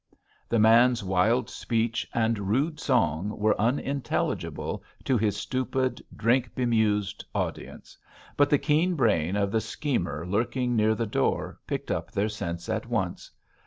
The man's wild speech and rude song were unintelligible to his stupid, drink bemused audience; but the keen brain of the schemer lurking near the door picked up their sense at once.